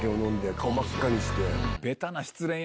顔真っ赤にして。